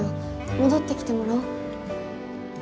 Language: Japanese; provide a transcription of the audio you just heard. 戻ってきてもらおう。